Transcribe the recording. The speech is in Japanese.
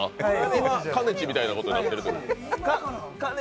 今、かねちみたいなことになってるかね